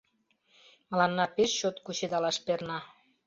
Мыланна пеш чот кучедалаш перна.